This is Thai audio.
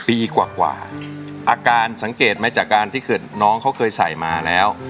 ปีกว่าอาการสังเกตไหมจากการที่เกิดน้องเขาเคยใส่มาแล้ว